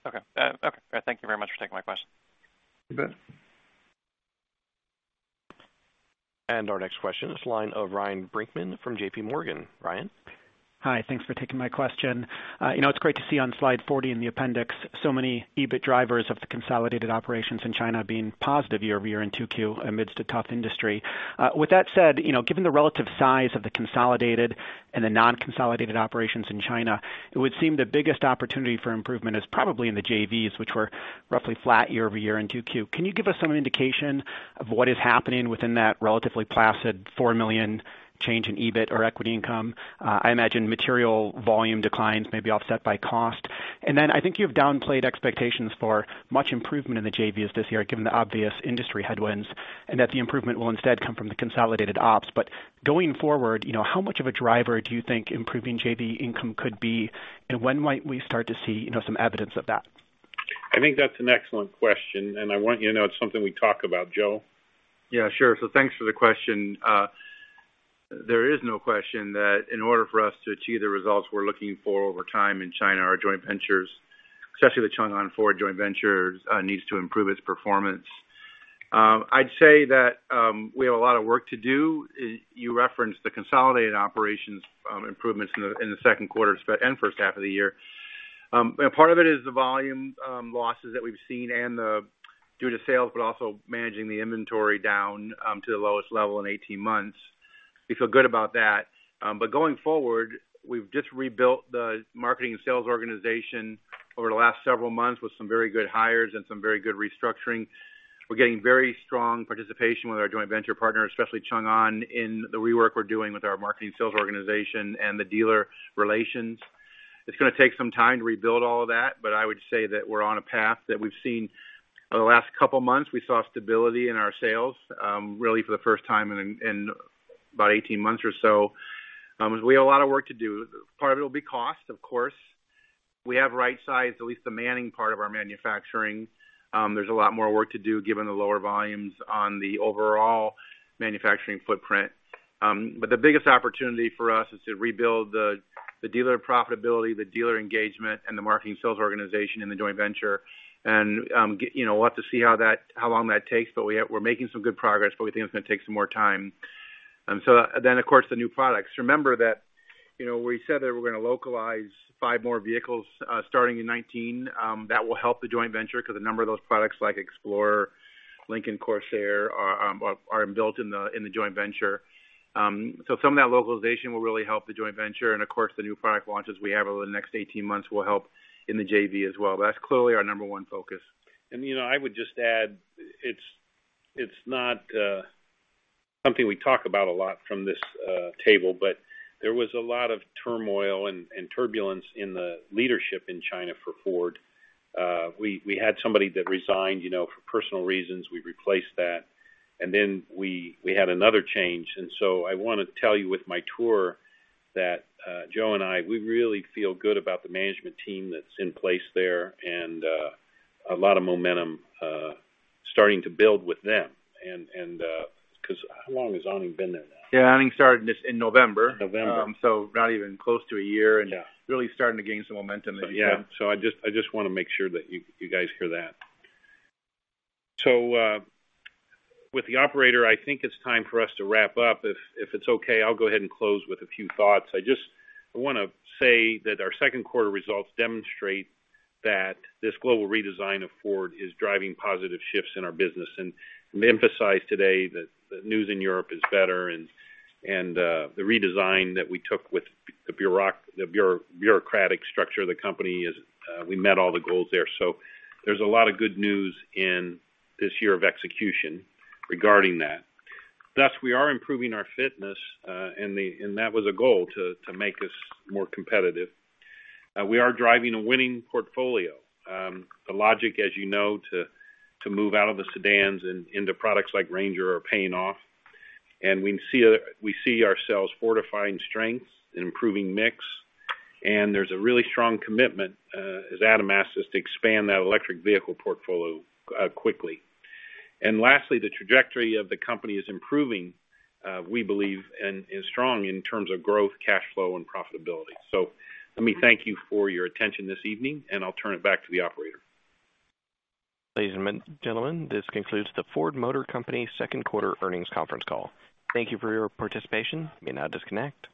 Okay. Thank you very much for taking my question. You bet. Our next question is the line of Ryan Brinkman from JP Morgan. Ryan? Hi. Thanks for taking my question. It's great to see on slide 40 in the appendix so many EBIT drivers of the consolidated operations in China being positive year-over-year in 2Q amidst a tough industry. With that said, given the relative size of the consolidated and the non-consolidated operations in China, it would seem the biggest opportunity for improvement is probably in the JVs, which were roughly flat year-over-year in 2Q. Can you give us some indication of what is happening within that relatively placid $4 million change in EBIT or equity income? I imagine material volume declines may be offset by cost. I think you've downplayed expectations for much improvement in the JVs this year, given the obvious industry headwinds, and that the improvement will instead come from the consolidated ops. Going forward, how much of a driver do you think improving JV income could be, and when might we start to see some evidence of that? I think that's an excellent question, and I want you to know it's something we talk about. Joe? Yeah, sure. Thanks for the question. There is no question that in order for us to achieve the results we're looking for over time in China, our joint ventures, especially the Changan Ford joint ventures, needs to improve its performance. I'd say that we have a lot of work to do. You referenced the consolidated operations improvements in the second quarter and first half of the year. Part of it is the volume losses that we've seen and due to sales, but also managing the inventory down to the lowest level in 18 months. We feel good about that. Going forward, we've just rebuilt the marketing and sales organization over the last several months with some very good hires and some very good restructuring. We're getting very strong participation with our joint venture partners, especially Changan, in the rework we're doing with our marketing sales organization and the dealer relations. It's going to take some time to rebuild all of that, but I would say that we're on a path that we've seen over the last couple of months. We saw stability in our sales, really for the first time in about 18 months or so. We have a lot of work to do. Part of it will be cost, of course. We have rightsized at least the manning part of our manufacturing. There's a lot more work to do given the lower volumes on the overall manufacturing footprint. The biggest opportunity for us is to rebuild the dealer profitability, the dealer engagement, and the marketing sales organization in the joint venture. We'll have to see how long that takes, but we're making some good progress, but we think it's going to take some more time. Of course, the new products. Remember that we said that we're going to localize five more vehicles starting in 2019. That will help the joint venture because a number of those products like Explorer, Lincoln Corsair, are built in the joint venture. Some of that localization will really help the joint venture. Of course, the new product launches we have over the next 18 months will help in the JV as well. That's clearly our number one focus. I would just add, it's not something we talk about a lot from this table, there was a lot of turmoil and turbulence in the leadership in China for Ford. We had somebody that resigned for personal reasons. We replaced that. Then we had another change. I want to tell you with my tour that Joe and I, we really feel good about the management team that's in place there and a lot of momentum starting to build with them. Because how long has Anning been there now? Yeah, Anning started in November. November. Not even close to a year. Yeah really starting to gain some momentum there, Jim. I just want to make sure that you guys hear that. With the operator, I think it's time for us to wrap up. If it's okay, I'll go ahead and close with a few thoughts. I just want to say that our second quarter results demonstrate that this global redesign of Ford is driving positive shifts in our business. Let me emphasize today that the news in Europe is better and the redesign that we took with the bureaucratic structure of the company is we met all the goals there. There's a lot of good news in this year of execution regarding that. Thus, we are improving our fitness, and that was a goal to make us more competitive. We are driving a winning portfolio. The logic, as you know, to move out of the sedans into products like Ranger are paying off. We see ourselves fortifying strengths and improving mix. There's a really strong commitment, as Adam asked us, to expand that electric vehicle portfolio quickly. Lastly, the trajectory of the company is improving, we believe, and is strong in terms of growth, cash flow and profitability. Let me thank you for your attention this evening, and I'll turn it back to the operator. Ladies and gentlemen, this concludes the Ford Motor Company second quarter earnings conference call. Thank you for your participation. You may now disconnect.